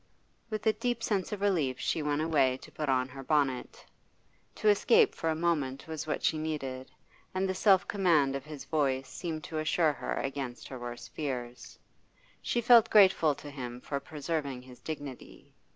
With a deep sense of relief she went away to put on her bonnet. To escape for a moment was what she needed, and the self command of his voice seemed to assure her against her worst fears. She felt grateful to him for preserving his dignity.